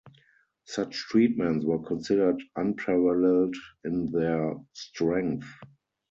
Such treatments were considered unparalleled in their strength.